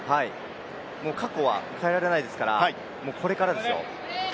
過去は変えられないですからこれからですよ。